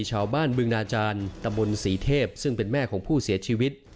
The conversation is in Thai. ชาวบ้านบึงนาจารย์ตำบลศรีเทพซึ่งเป็นแม่ของผู้เสียชีวิต